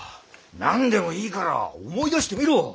何でもいいから思い出してみろ！